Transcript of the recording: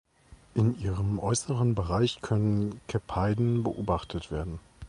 In ihrem äußeren Bereich können Cepheiden beobachtet werden.